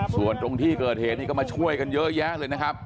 ส่วนตรงที่เกิดเหตุนี่ก็มาช่วยกันเยอะแยะเลยนะครับ